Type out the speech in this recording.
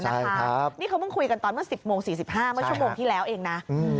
นี่เขาเพิ่งคุยกันตอนเมื่อ๑๐โมง๔๕เมื่อชั่วโมงที่แล้วเองนะ